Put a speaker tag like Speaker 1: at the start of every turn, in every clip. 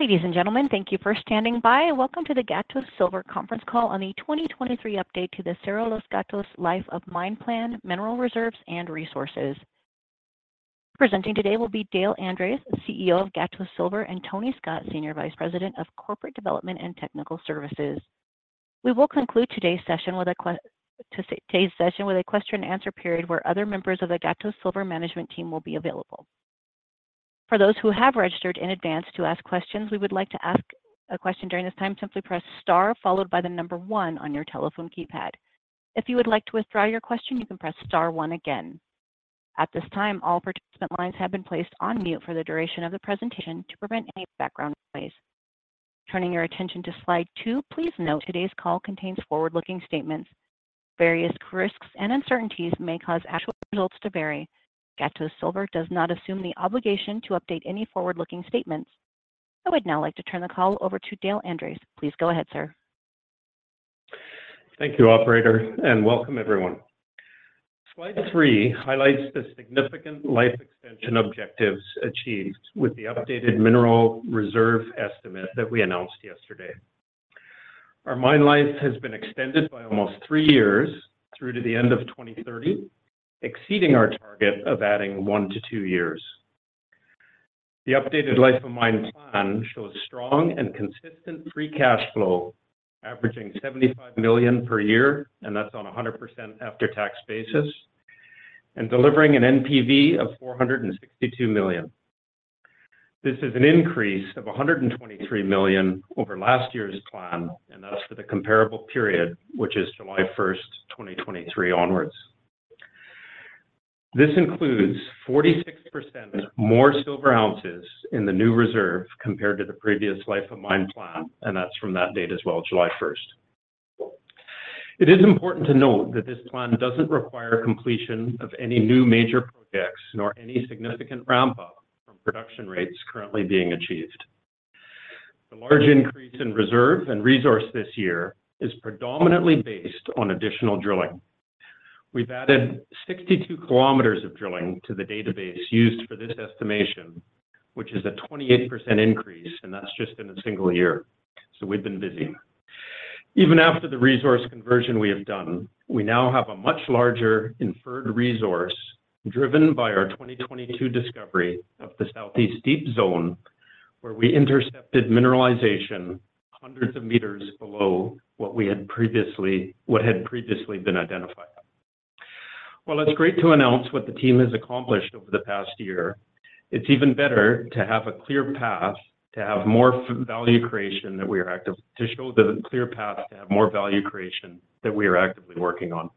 Speaker 1: Ladies and gentlemen, thank you for standing by, and welcome to the Gatos Silver Conference Call on the 2023 update to the Cerro Los Gatos Life of Mine Plan, Mineral Reserves, and Resources. Presenting today will be Dale Andres, CEO of Gatos Silver, and Tony Scott, Senior Vice President of Corporate Development and Technical Services. We will conclude today's session with a question and answer period where other members of the Gatos Silver management team will be available. For those who have registered in advance to ask questions, we would like to ask a question during this time, simply press star followed by the number one on your telephone keypad. If you would like to withdraw your question, you can press star one again. At this time, all participant lines have been placed on mute for the duration of the presentation to prevent any background noise. Turning your attention to slide two, please note today's call contains forward-looking statements. Various risks and uncertainties may cause actual results to vary. Gatos Silver does not assume the obligation to update any forward-looking statements. I would now like to turn the call over to Dale Andres. Please go ahead, sir.
Speaker 2: Thank you, operator, and welcome everyone. Slide three highlights the significant life extension objectives achieved with the updated mineral reserve estimate that we announced yesterday. Our mine life has been extended by almost three years through to the end of 2030, exceeding our target of adding one to two years. The updated life of mine plan shows strong and consistent free cash flow, averaging $75 million per year, and that's on a 100% after-tax basis, and delivering an NPV of $462 million. This is an increase of $123 million over last year's plan, and that's for the comparable period, which is July 1, 2023 onwards. This includes 46% more silver ounces in the new reserve compared to the previous life of mine plan, and that's from that date as well, July 1. It is important to note that this plan doesn't require completion of any new major projects nor any significant ramp up from production rates currently being achieved. The large increase in reserve and resource this year is predominantly based on additional drilling. We've added 62 kilometers of drilling to the database used for this estimation, which is a 28% increase, and that's just in a single year. So we've been busy. Even after the resource conversion we have done, we now have a much larger inferred resource driven by our 2022 discovery of the Southeast Deep Zone, where we intercepted mineralization hundreds of meters below what had previously been identified. While it's great to announce what the team has accomplished over the past year, it's even better to have a clear path, to have more value creation that we are active-- to show the clear path to have more value creation that we are actively working on.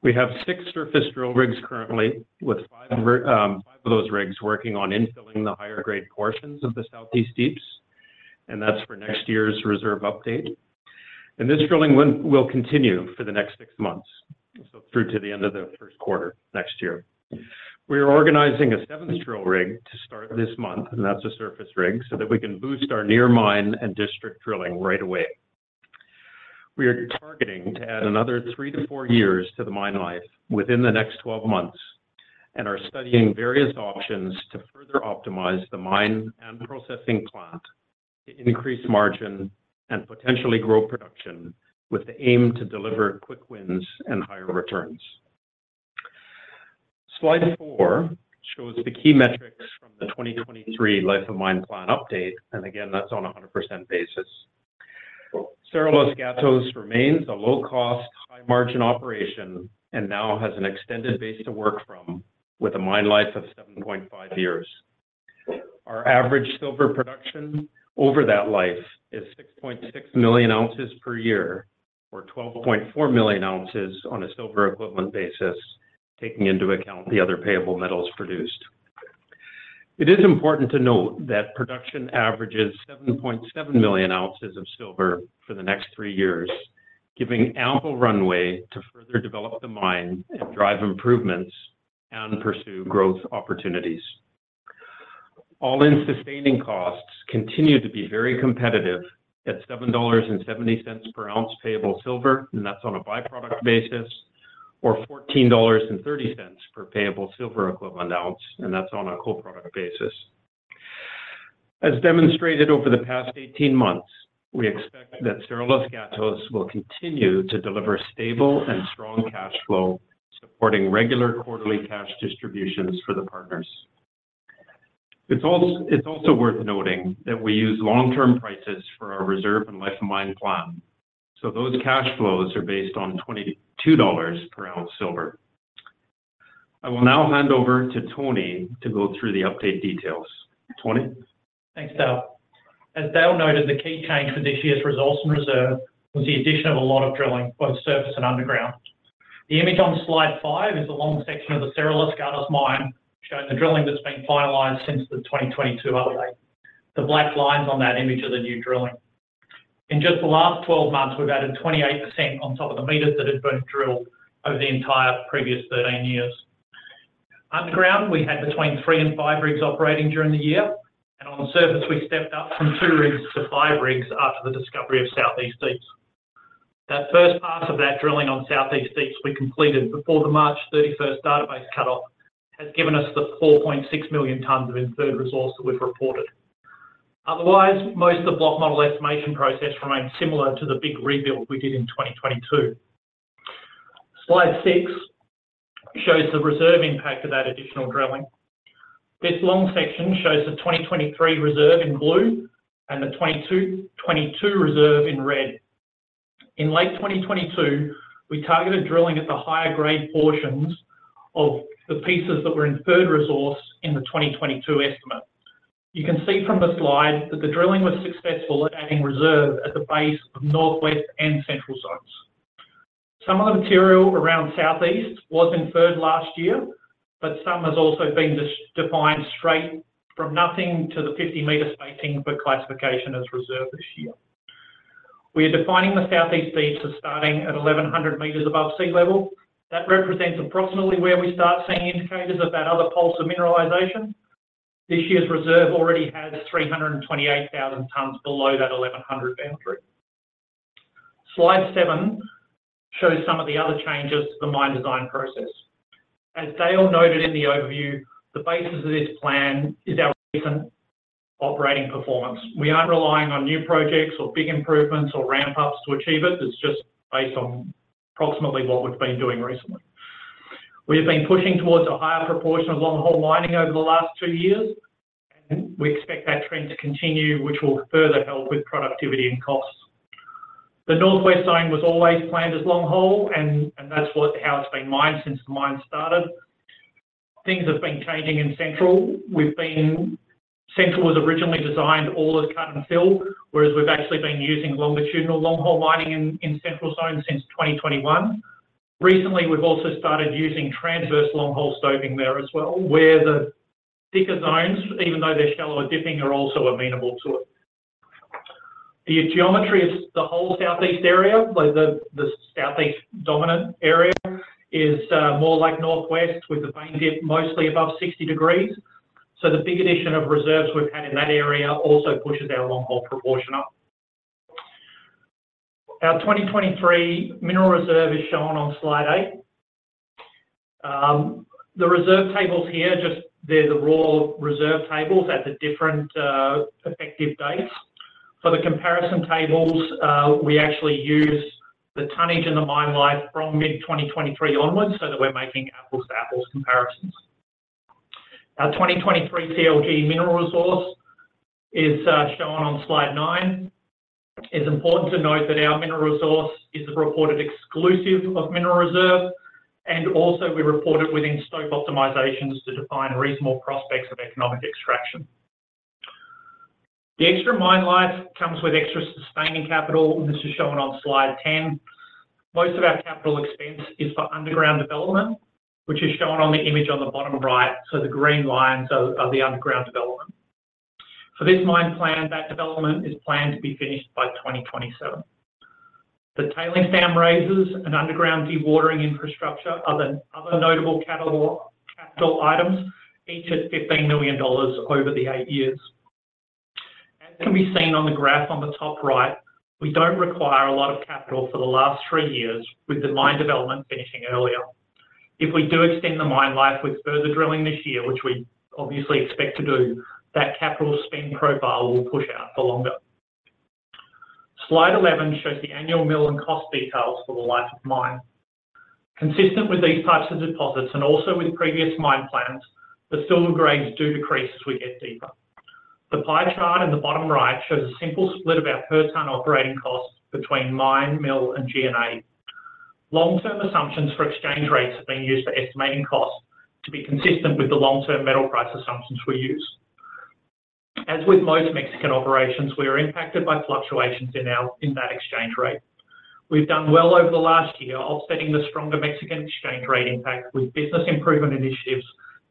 Speaker 2: We have six surface drill rigs currently, with five of those rigs working on infilling the higher grade portions of the Southeast Deeps, and that's for next year's reserve update. This drilling will continue for the next six months, so through to the end of the first quarter next year. We are organizing a seventh drill rig to start this month, and that's a surface rig, so that we can boost our near mine and district drilling right away. We are targeting to add another three to four years to the mine life within the next 12 months and are studying various options to further optimize the mine and processing plant to increase margin and potentially grow production with the aim to deliver quick wins and higher returns. Slide four shows the key metrics from the 2023 life of mine plan update, and again, that's on a 100% basis. Cerro Los Gatos remains a low-cost, high-margin operation and now has an extended base to work from with a mine life of 7.5 years. Our average silver production over that life is 6.6 million ounces per year or 12.4 million ounces on a silver equivalent basis, taking into account the other payable metals produced. It is important to note that production averages 7.7 million ounces of silver for the next three years, giving ample runway to further develop the mine and drive improvements and pursue growth opportunities. All-in Sustaining Costs continue to be very competitive at $7.70 per ounce payable silver, and that's on a by-product basis, or $14.30 per payable silver equivalent ounce, and that's on a co-product basis. As demonstrated over the past 18 months, we expect that Cerro Los Gatos will continue to deliver stable and strong cash flow, supporting regular quarterly cash distributions for the partners. It's also, it's also worth noting that we use long-term prices for our reserve and Life of Mine plan, so those cash flows are based on $22 per ounce silver. I will now hand over to Tony to go through the update details. Tony?
Speaker 3: Thanks, Dale. As Dale noted, the key change for this year's results and reserve was the addition of a lot of drilling, both surface and underground. The image on slide five is a long section of the Cerro Los Gatos mine, showing the drilling that's been finalized since the 2022 update. The black lines on that image are the new drilling. In just the last 12 months, we've added 28% on top of the meters that had been drilled over the entire previous 13 years. Underground, we had between three and five rigs operating during the year, and on surface, we stepped up from two rigs to five rigs after the discovery of Southeast Deeps.... That first part of that drilling on Southeast Deep we completed before the March 31st database cutoff, has given us the 4.6 million tons of Inferred Resource that we've reported. Otherwise, most of the block model estimation process remains similar to the big rebuild we did in 2022. Slide six shows the reserve impact of that additional drilling. This long section shows the 2023 reserve in blue and the 2022, 2022 reserve in red. In late 2022, we targeted drilling at the higher grade portions of the pieces that were Inferred Resource in the 2022 estimate. You can see from the slide that the drilling was successful at adding reserve at the base of Northwest and Central Zones. Some of the material around Southeast was inferred last year, but some has also been just defined straight from nothing to the 50-meter spacing for classification as reserve this year. We are defining the Southeast Deep as starting at 1,100 meters above sea level. That represents approximately where we start seeing indicators of that other pulse of mineralization. This year's reserve already has 328,000 tons below that 1,100 boundary. Slide seven shows some of the other changes to the mine design process. As Dale noted in the overview, the basis of this plan is our recent operating performance. We aren't relying on new projects or big improvements or ramp ups to achieve it. It's just based on approximately what we've been doing recently. We have been pushing towards a higher proportion of longhole mining over the last two years, and we expect that trend to continue, which will further help with productivity and costs. The Northwest Zone was always planned as longhole, and that's how it's been mined since the mine started. Things have been changing in Central. Central was originally designed all as cut and fill, whereas we've actually been using longitudinal longhole mining in Central Zone since 2021. Recently, we've also started using transverse longhole stoping there as well, where the thicker zones, even though they're shallower dipping, are also amenable to it. The geometry of the whole Southeast area, like the Southeast dominant area, is more like Northwest, with the vein dip mostly above 60 degrees. So the big addition of reserves we've had in that area also pushes our longhole proportion up. Our 2023 mineral reserve is shown on slide 8. The reserve tables here, just they're the raw reserve tables at the different effective dates. For the comparison tables, we actually use the tonnage in the mine life from mid-2023 onwards so that we're making apples-to-apples comparisons. Our 2023 CLG mineral resource is shown on slide nine. It's important to note that our mineral resource is reported exclusive of mineral reserve, and also, we report it within stope optimizations to define reasonable prospects of economic extraction. The extra mine life comes with extra sustaining capital, and this is shown on slide 10. Most of our capital expense is for underground development, which is shown on the image on the bottom right, so the green lines are the underground development. For this mine plan, that development is planned to be finished by 2027. The tailings dam raises, underground dewatering infrastructure, other notable capital items, each at $15 million over the eight years. As can be seen on the graph on the top right, we don't require a lot of capital for the last three years, with the mine development finishing earlier. If we do extend the mine life with further drilling this year, which we obviously expect to do, that capital spend profile will push out for longer. Slide 11 shows the annual mill and cost details for the life of mine. Consistent with these types of deposits and also with previous mine plans, the silver grades do decrease as we get deeper. The pie chart in the bottom right shows a simple split of our per-ton operating costs between mine, mill, and G&A. Long-term assumptions for exchange rates have been used for estimating costs to be consistent with the long-term metal price assumptions we use. As with most Mexican operations, we are impacted by fluctuations in that exchange rate. We've done well over the last year, offsetting the stronger Mexican exchange rate impact with business improvement initiatives,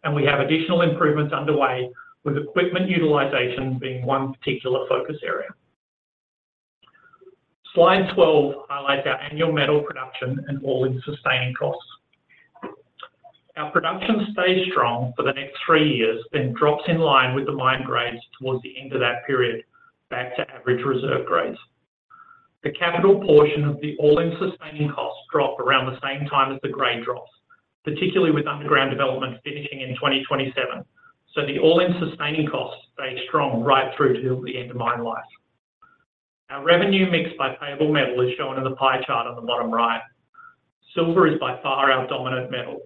Speaker 3: and we have additional improvements underway, with equipment utilization being one particular focus area. Slide twelve highlights our annual metal production and all-in sustaining costs. Our production stays strong for the next 3 years, then drops in line with the mine grades towards the end of that period, back to average reserve grades. The capital portion of the all-in sustaining costs drop around the same time as the grade drops, particularly with underground development finishing in 2027. The all-in sustaining costs stay strong right through to the end of mine life. Our revenue mix by payable metal is shown in the pie chart on the bottom right. Silver is by far our dominant metal.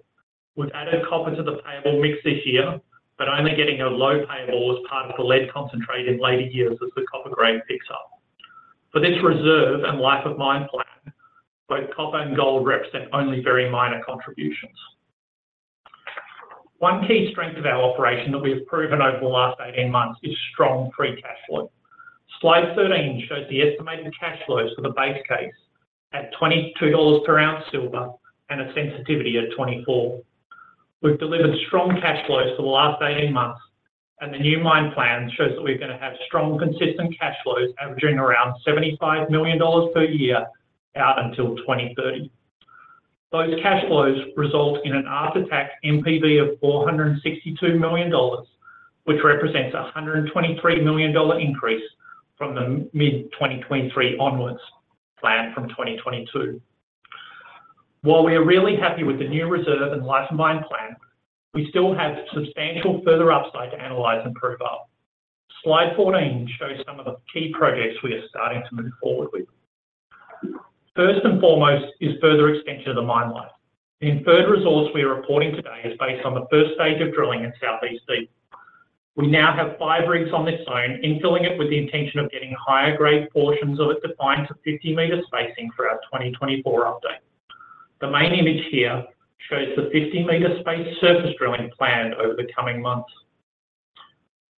Speaker 3: We've added copper to the payable mix this year, but only getting a low payable as part of the lead concentrate in later years as the copper grade picks up. For this reserve and life of mine plan, both copper and gold represent only very minor contributions. One key strength of our operation that we have proven over the last 18 months is strong free cash flow. Slide 13 shows the estimated cash flows for the base case at $22 per ounce silver and a sensitivity of 24. We've delivered strong cash flows for the last 18 months, and the new mine plan shows that we're going to have strong, consistent cash flows, averaging around $75 million per year out until 2030. Those cash flows result in an after-tax NPV of $462 million, which represents a $123 million increase from the mid-2023 onwards plan from 2022. While we are really happy with the new reserve and life of mine plan, we still have substantial further upside to analyze and prove up. Slide 14 shows some of the key projects we are starting to move forward with. First and foremost is further extension of the mine life. The inferred resource we are reporting today is based on the first stage of drilling in Southeast Deep. We now have 5 rigs on this zone, infilling it with the intention of getting higher-grade portions of it defined to 50-meter spacing for our 2024 update. The main image here shows the 50-meter space surface drilling planned over the coming months.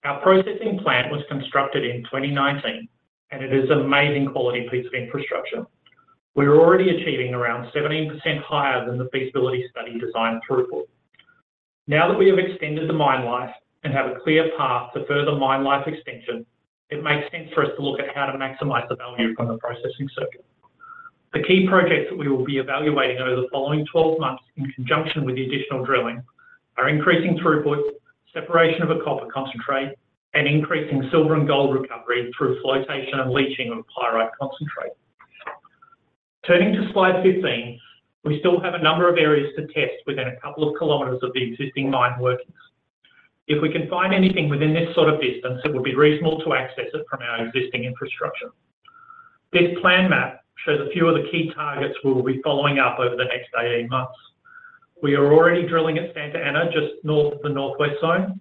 Speaker 3: Our processing plant was constructed in 2019, and it is an amazing quality piece of infrastructure. We're already achieving around 17% higher than the feasibility study design throughput. Now that we have extended the mine life and have a clear path to further mine life extension, it makes sense for us to look at how to maximize the value from the processing circuit. The key projects that we will be evaluating over the following 12 months, in conjunction with the additional drilling, are increasing throughput, separation of a copper concentrate, and increasing silver and gold recovery through flotation and leaching of pyrite concentrate. Turning to slide 15, we still have a number of areas to test within a couple of kilometers of the existing mine workings. If we can find anything within this sort of distance, it will be reasonable to access it from our existing infrastructure. This plan map shows a few of the key targets we will be following up over the next 18 months. We are already drilling at Santa Ana, just north of the Northwest Zone.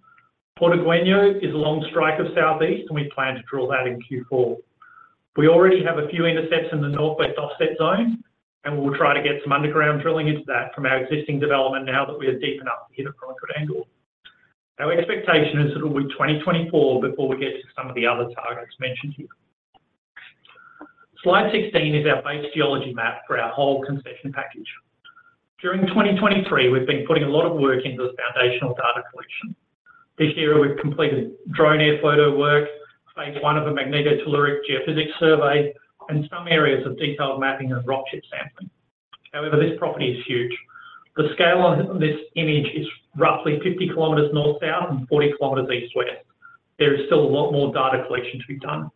Speaker 3: Portigueño is along strike of Southeast, and we plan to drill that in Q4. We already have a few intercepts in the Northwest Offset Zone, and we will try to get some underground drilling into that from our existing development now that we are deep enough to hit it from a good angle. Our expectation is it'll be 2024 before we get to some of the other targets mentioned here. Slide 16 is our base geology map for our whole concession package. During 2023, we've been putting a lot of work into this foundational data collection. This year, we've completed drone air photo work, phase one of a magnetotelluric geophysics survey, and some areas of detailed mapping and rock chip sampling. However, this property is huge. The scale on this image is roughly 50 kilometers north, south, and 40 kilometers east, west. There is still a lot more data collection to be done.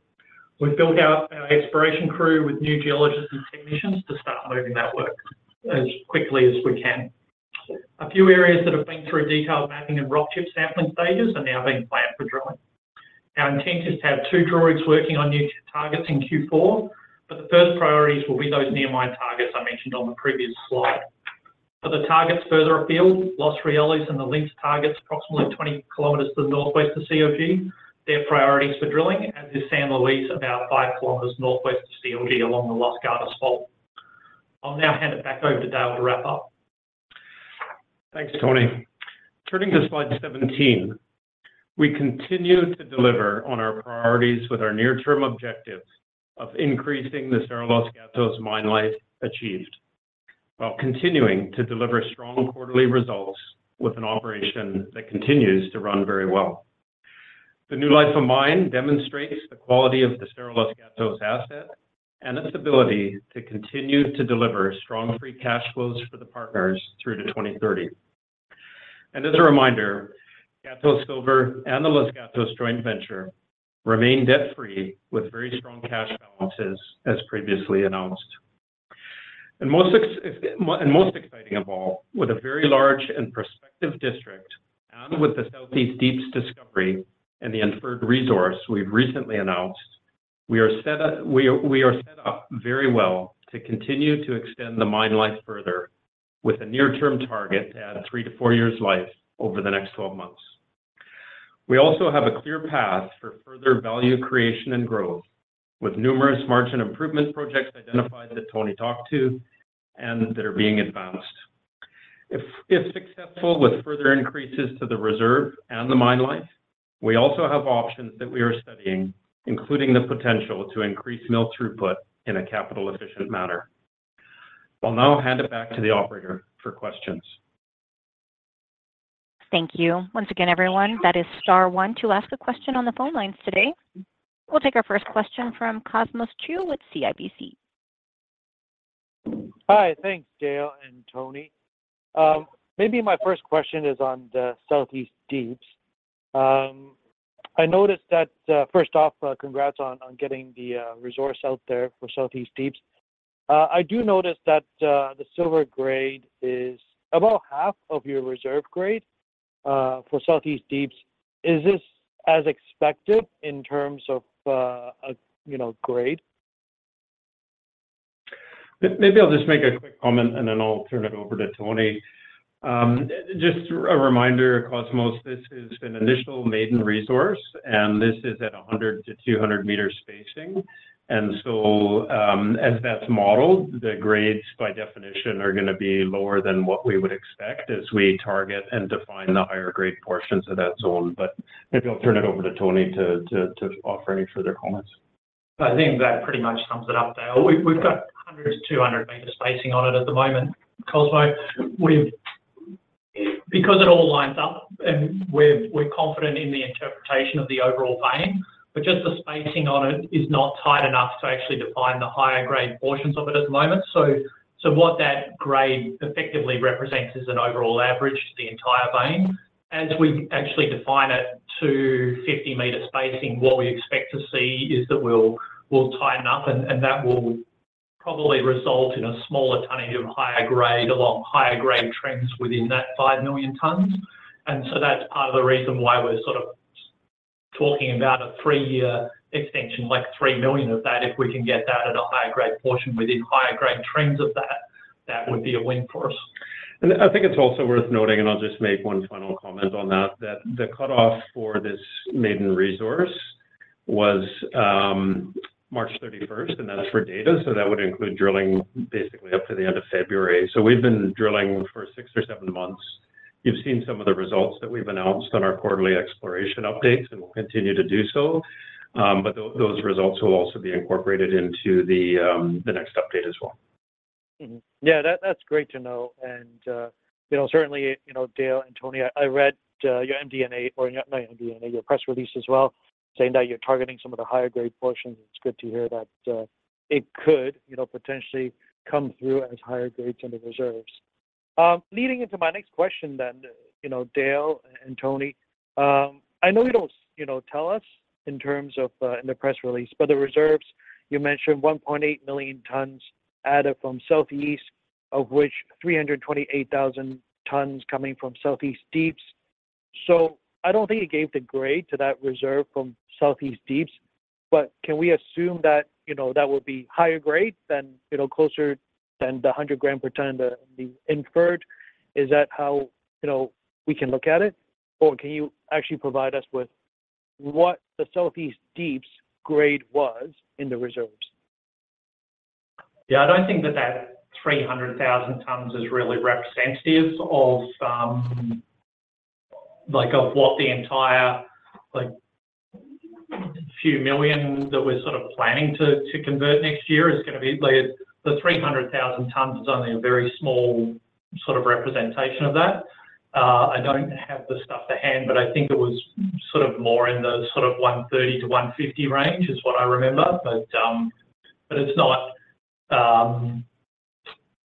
Speaker 3: We've built our exploration crew with new geologists and technicians to start moving that work as quickly as we can. A few areas that have been through detailed mapping and rock chip sampling stages are now being planned for drilling. Our intent is to have two drill rigs working on new targets in Q4, but the first priorities will be those near mine targets I mentioned on the previous slide. For the targets further afield, Los Rieles and the Lynx targets, approximately 20 kilometers to the northwest of CLG, they're priorities for drilling, as is San Luis, about five kilometers northwest of CLG, along the Los Gatos Fault. I'll now hand it back over to Dale to wrap up.
Speaker 2: Thanks, Tony. Turning to slide 17, we continue to deliver on our priorities with our near term objectives of increasing the Cerro Los Gatos mine life achieved, while continuing to deliver strong quarterly results with an operation that continues to run very well. The new life of mine demonstrates the quality of the Cerro Los Gatos asset and its ability to continue to deliver strong free cash flows for the partners through to 2030. As a reminder, Gatos Silver and the Los Gatos Joint Venture remain debt-free with very strong cash balances, as previously announced. Most exciting of all, with a very large and prospective district and with the Southeast Deep's discovery and the inferred resource we've recently announced, we are set up very well to continue to extend the mine life further, with a near term target to add three to four years life over the next 12 months. We also have a clear path for further value creation and growth, with numerous margin improvement projects identified that Tony talked to and that are being advanced. If successful, with further increases to the reserve and the mine life, we also have options that we are studying, including the potential to increase mill throughput in a capital-efficient manner. I'll now hand it back to the operator for questions.
Speaker 1: Thank you. Once again, everyone, that is star one to ask a question on the phone lines today. We'll take our first question from Cosmos Chiu with CIBC.
Speaker 4: Hi. Thanks, Dale and Tony. Maybe my first question is on the Southeast Deeps. I noticed that. First off, congrats on getting the resource out there for Southeast Deeps. I do notice that the silver grade is about half of your reserve grade for Southeast Deeps. Is this as expected in terms of, you know, grade?
Speaker 2: Maybe I'll just make a quick comment, and then I'll turn it over to Tony. Just a reminder, Cosmos, this is an initial maiden resource, and this is at a 100-200 meter spacing. And so, as that's modeled, the grades, by definition, are gonna be lower than what we would expect as we target and define the higher grade portions of that zone. But maybe I'll turn it over to Tony to offer any further comments.
Speaker 3: I think that pretty much sums it up, Dale. We've got 100-200 meter spacing on it at the moment, Cosmos. Because it all lines up, and we're confident in the interpretation of the overall vein, but just the spacing on it is not tight enough to actually define the higher grade portions of it at the moment. So what that grade effectively represents is an overall average of the entire vein. As we actually define it to 50-meter spacing, what we expect to see is that we'll tighten up, and that will probably result in a smaller tonnage of higher grade along higher grade trends within that five million tons. And so that's part of the reason why we're sort of talking about a three-year extension, like three million of that. If we can get that at a higher grade portion within higher grade trends of that, that would be a win for us.
Speaker 2: And I think it's also worth noting, and I'll just make one final comment on that, that the cutoff for this maiden resource was March 31st, and that's for data, so that would include drilling basically up to the end of February. So we've been drilling for six or seven months. You've seen some of the results that we've announced on our quarterly exploration updates, and we'll continue to do so, but those results will also be incorporated into the, the next update as well.
Speaker 4: Mm-hmm. Yeah, that's great to know, and, you know, certainly, you know, Dale and Tony, I read your MD&A or not MD&A, your press release as well, saying that you're targeting some of the higher grade portions. It's good to hear that, it could, you know, potentially come through as higher grades in the reserves. Leading into my next question then, you know, Dale and Tony, I know you don't, you know, tell us in terms of, in the press release, but the reserves, you mentioned 1.8 million tons added from Southeast, of which 328,000 tons coming from Southeast Deeps. I don't think it gave the grade to that reserve from Southeast Deeps, but can we assume that, you know, that would be higher grade than, you know, closer than the 100 gram per ton, the, the inferred? Is that how, you know, we can look at it, or can you actually provide us with what the Southeast Deeps grade was in the reserves?
Speaker 3: Yeah, I don't think that 300,000 tons is really representative of, like, of what the entire, like, few million that we're sort of planning to convert next year is gonna be. Like, the 300,000 tons is only a very small sort of representation of that. I don't have the stuff at hand, but I think it was sort of more in the sort of 130-150 range is what I remember. But it's not,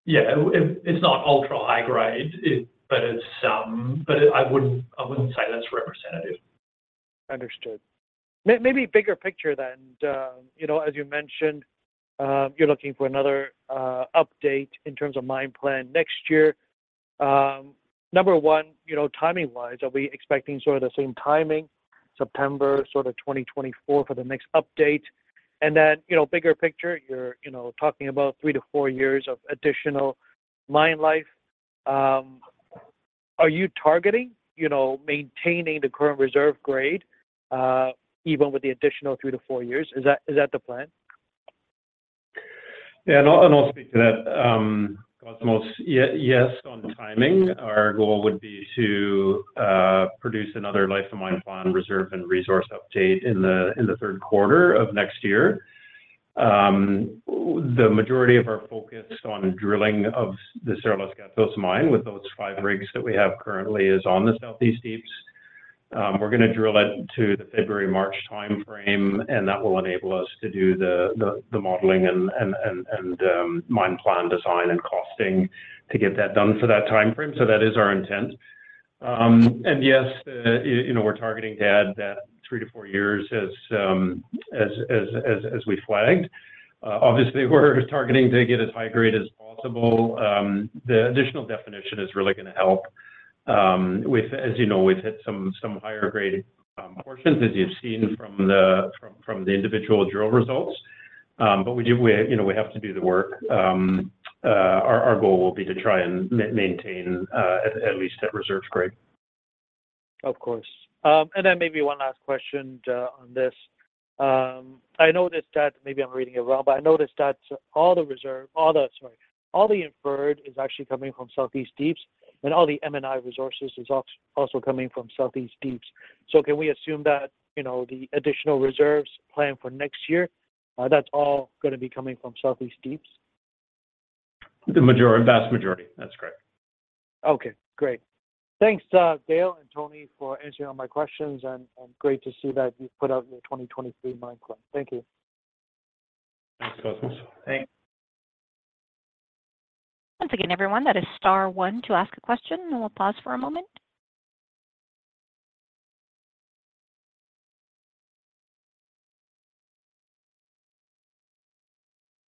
Speaker 3: yeah, it's not ultra-high grade, but it's. But I wouldn't say that's representative.
Speaker 4: Understood. Maybe bigger picture then, you know, as you mentioned, you're looking for another update in terms of mine plan next year. Number one, you know, timing-wise, are we expecting sort of the same timing, September, sort of 2024 for the next update? And then, you know, bigger picture, you're, you know, talking about three to four years of additional mine life. Are you targeting, you know, maintaining the current reserve grade, even with the additional three to four years? Is that, is that the plan?
Speaker 2: Yeah, and I'll speak to that, Cosmos. Yes, on timing, our goal would be to produce another Life of Mine plan, reserve, and resource update in the third quarter of next year. The majority of our focus on drilling of the Cerro Los Gatos mine with those five rigs that we have currently is on the Southeast Deeps. We're gonna drill it to the February-March timeframe, and that will enable us to do the modeling and mine plan design and costing to get that done for that timeframe, so that is our intent. And yes, you know, we're targeting to add that three-to-four years as we flagged. Obviously, we're targeting to get as high grade as possible. The additional definition is really gonna help, with, as you know, we've hit some higher grade portions, as you've seen from the individual drill results. But we do, you know, we have to do the work. Our goal will be to try and maintain at least that reserve grade.
Speaker 4: Of course. And then maybe one last question on this. I noticed that, maybe I'm reading it wrong, but I noticed that all the inferred is actually coming from Southeast Deeps, and all the M&I resources is also coming from Southeast Deeps. So can we assume that, you know, the additional reserves planned for next year, that's all gonna be coming from Southeast Deeps?
Speaker 2: The majority, vast majority. That's correct.
Speaker 4: Okay, great. Thanks, Dale and Tony, for answering all my questions, and great to see that you've put out your 2023 mine plan. Thank you.
Speaker 2: Thanks, Cosmos.
Speaker 3: Thanks.
Speaker 1: Once again, everyone, that is star one to ask a question, and we'll pause for a moment.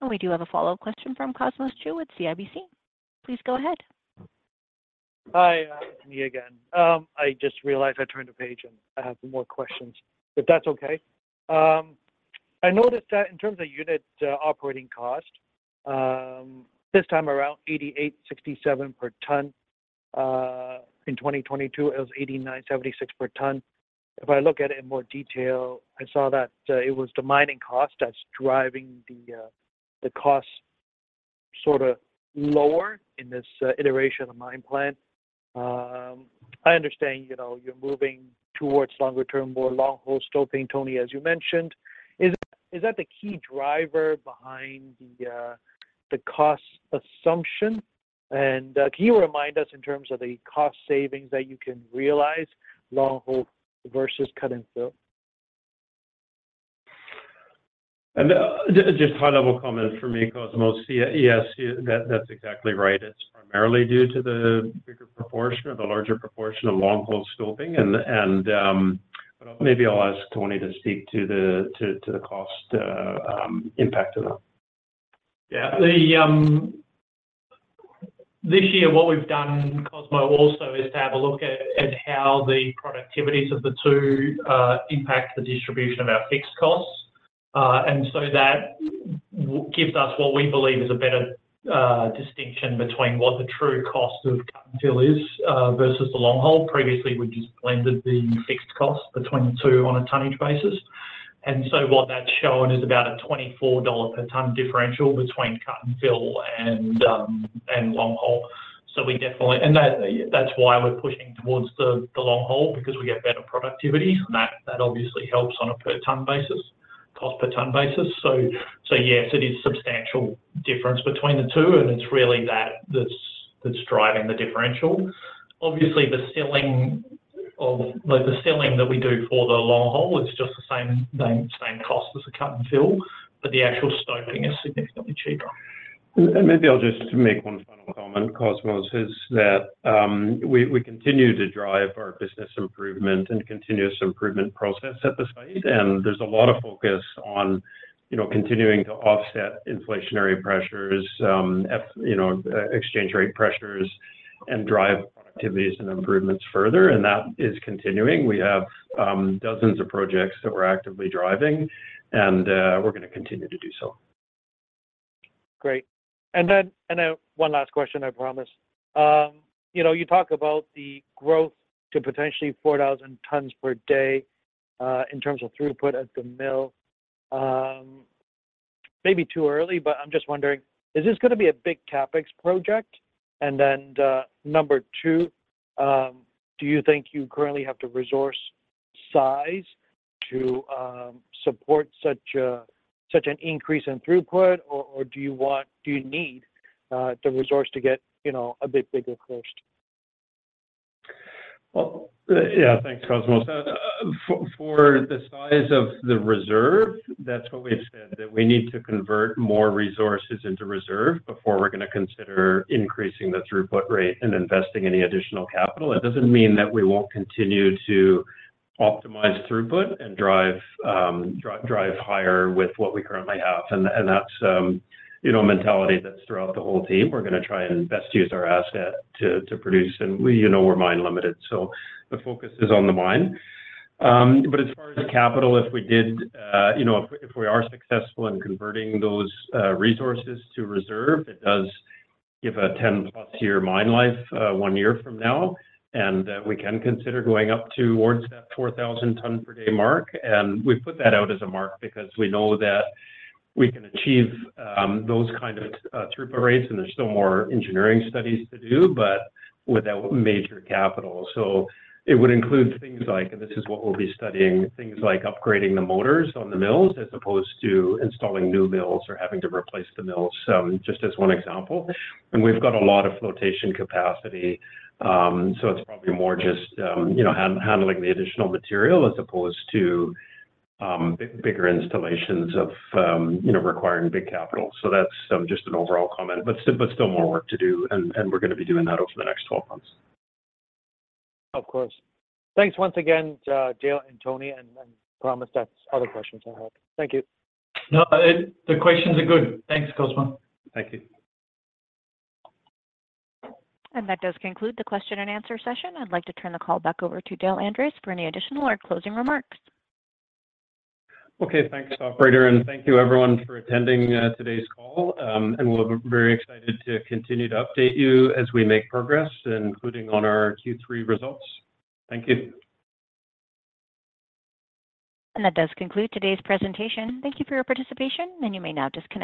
Speaker 1: We do have a follow-up question from Cosmos Chiu with CIBC. Please go ahead.
Speaker 4: Hi, me again. I just realized I turned a page, and I have more questions, if that's okay. I noticed that in terms of unit operating cost, this time around, $8,867 per ton. In 2022, it was $8,976 per ton. If I look at it in more detail, I saw that it was the mining cost that's driving the cost sort of lower in this iteration of the mine plan. I understand, you know, you're moving towards longer-term, more longhole stoping, Tony, as you mentioned. Is it... Is that the key driver behind the cost assumption? And can you remind us in terms of the cost savings that you can realize, longhole versus cut-and-fill?
Speaker 2: Just high-level comment for me, Cosmo. See, yes, yeah, that's exactly right. It's primarily due to the bigger proportion or the larger proportion of longhole stoping. But maybe I'll ask Tony to speak to the cost impact of that.
Speaker 3: Yeah, this year, what we've done, Cosmo, also is to have a look at how the productivities of the two impact the distribution of our fixed costs. And so that gives us what we believe is a better distinction between what the true cost of cut-and-fill is versus the longhole. Previously, we just blended the fixed cost between the two on a tonnage basis. And so what that's showing is about a $24 per ton differential between cut-and-fill and longhole. So we definitely. And that, that's why we're pushing towards the longhole because we get better productivity, and that obviously helps on a per ton basis, cost per ton basis. So yes, it is substantial difference between the two, and it's really that that's driving the differential. Obviously, the sealing that we do for the longhole is just the same cost as the cut-and-fill, but the actual scoping is significantly cheaper.
Speaker 2: And maybe I'll just make one final comment, Cosmos, is that, we, we continue to drive our business improvement and continuous improvement process at the site, and there's a lot of focus on, you know, continuing to offset inflationary pressures, you know, exchange rate pressures, and drive productivities and improvements further, and that is continuing. We have, dozens of projects that we're actively driving, and, we're gonna continue to do so.
Speaker 4: Great. And then one last question, I promise. You know, you talk about the growth to potentially 4,000 tons per day in terms of throughput at the mill. Maybe too early, but I'm just wondering, is this gonna be a big CapEx project? And then, number two, do you think you currently have the resource size to support such an increase in throughput, or do you want, do you need the resource to get, you know, a bit bigger first?
Speaker 2: Well, yeah, thanks, Cosmo. For the size of the reserve, that's what we've said, that we need to convert more resources into reserve before we're gonna consider increasing the throughput rate and investing any additional capital. It doesn't mean that we won't continue to optimize throughput and drive higher with what we currently have. And that's, you know, a mentality that's throughout the whole team. We're gonna try and best use our asset to produce, and we, you know, we're mine limited, so the focus is on the mine. But as far as the capital, if we did, you know, if we are successful in converting those resources to reserve, it does give a 10-plus year mine life, one year from now. And, we can consider going up towards that 4,000 ton per day mark. And we've put that out as a mark because we know that we can achieve, those kind of, throughput rates, and there's still more engineering studies to do, but without major capital. So it would include things like, and this is what we'll be studying, things like upgrading the motors on the mills, as opposed to installing new mills or having to replace the mills. So just as one example, and we've got a lot of flotation capacity, so it's probably more just, you know, handling the additional material as opposed to, bigger installations of, you know, requiring big capital. So that's, just an overall comment, but still, but still more work to do, and, and we're gonna be doing that over the next 12 months.
Speaker 4: Of course. Thanks once again, Dale and Tony, and promise that's other questions I have. Thank you.
Speaker 3: No, the questions are good. Thanks, Cosmo.
Speaker 2: Thank you.
Speaker 1: That does conclude the question and answer session. I'd like to turn the call back over to Dale Andres for any additional or closing remarks.
Speaker 2: Okay, thanks, operator, and thank you everyone for attending today's call. We're very excited to continue to update you as we make progress, including on our Q3 results. Thank you.
Speaker 1: That does conclude today's presentation. Thank you for your participation, and you may now disconnect.